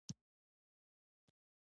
دا حکیمانه ډلبندي ده.